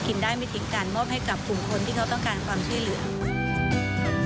กินได้ไม่จริงจันทร์มอบให้กับผู้คนที่ต้องการความช่วยเหลือ